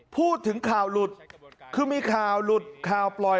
พูดถึงข่าวหลุดคือมีข่าวหลุดข่าวปล่อย